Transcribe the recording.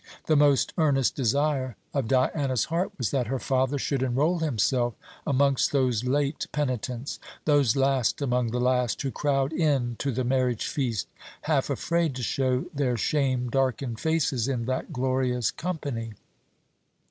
The most earnest desire of Diana's heart was that her father should enroll himself amongst those late penitents those last among the last who crowd in to the marriage feast, half afraid to show their shame darkened faces in that glorious company.